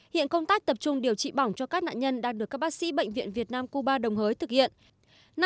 hiện công tác tập trung điều trị bỏng cho các nạn nhân đang được các bác sĩ bệnh viện việt nam cuba đồng hới thực hiện